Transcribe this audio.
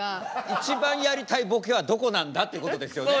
一番やりたいボケはどこなんだってことですよね。